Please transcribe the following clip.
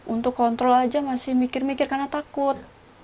untuk kontrol aja masih mikir mikir karena takut